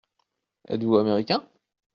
Êtes-vous Américain ?